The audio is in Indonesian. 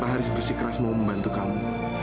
pak haris bersikeras mau membantu kamu